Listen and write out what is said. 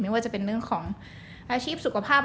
ว่าจะเป็นเรื่องของอาชีพสุขภาพ